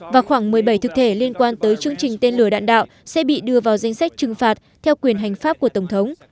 và khoảng một mươi bảy thực thể liên quan tới chương trình tên lửa đạn đạo sẽ bị đưa vào danh sách trừng phạt theo quyền hành pháp của tổng thống